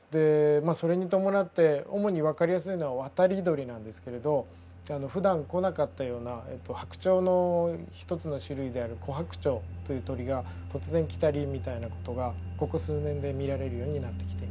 それに伴って主に分かりやすいのは渡り鳥なんですけれど普段来なかったようなハクチョウの一つの種類であるコハクチョウという鳥が突然来たりみたいなことがここ数年で見られるようになってきています。